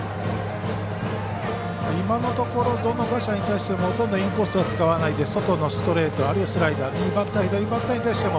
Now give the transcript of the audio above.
今のところどの打者に対してもほとんどインコースは使わないで外のストレートあるいはスライダー右バッター左バッターに対しても。